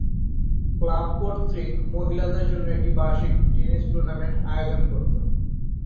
Club কর্তৃপক্ষ মহিলাদের জন্য একটি বার্ষিক টেনিস টুর্নামেন্ট আয়োজন করতো।